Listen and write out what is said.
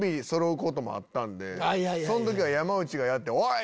その時は山内がやっておい！